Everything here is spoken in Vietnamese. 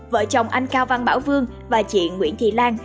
vợ chồng anh cao văn bảo vương và chị nguyễn thị lan